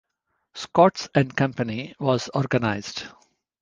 Scotts and Company was organized.